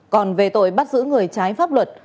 còn về tội bắt giữ người trái pháp luật